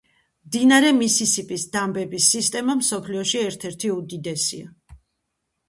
მდინარე მისისიპის დამბების სისტემა მსოფლიოში ერთ-ერთი უდიდესია.